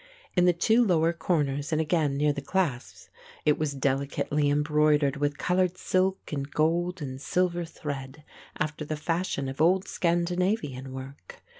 In the two lower corners and again near the clasps, it was delicately embroidered with coloured silk and gold and silver thread, after the fashion of old Scandinavian work.